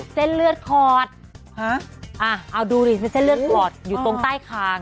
เส้นเลือดขอดเอาดูดิเป็นเส้นเลือดขอดอยู่ตรงใต้คาง